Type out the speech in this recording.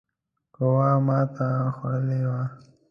قواوو ماته خوړلې وه.